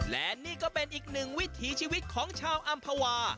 และนี่ก็เป็นอีกหนึ่งวิถีชีวิตของชาวอำภาวา